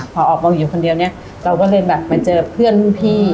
พอออกมาอยู่คนเดียวเนี่ยเราก็เลยแบบมาเจอเพื่อนรุ่นพี่